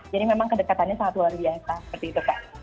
jadi memang kedekatannya sangat luar biasa seperti itu kak